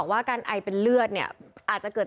ว่าการไอเป็นเลือดเนี่ยอาจจะเกิด